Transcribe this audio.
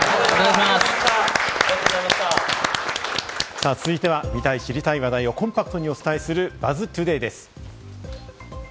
さぁ、続いては見たい知りたい話題をコンパクトにお伝えする「ＢＵＺＺＴＯＤＡＹ」です。